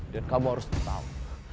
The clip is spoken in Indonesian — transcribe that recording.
dan kamu harus tahu